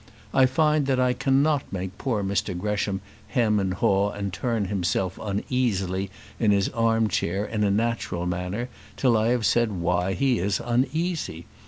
I find that I cannot make poor Mr Gresham hem and haw and turn himself uneasily in his arm chair in a natural manner till I have said why he is uneasy.